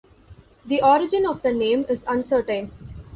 The origin of the name is uncertain.